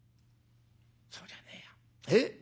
そうじゃねえやええ？